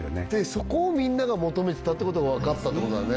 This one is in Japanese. そこをみんなが求めてたってことが分かったってことだね